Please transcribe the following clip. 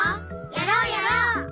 やろうやろう！